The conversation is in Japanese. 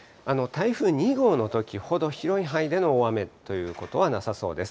台風２号のときほど広い範囲での大雨ということはなさそうです。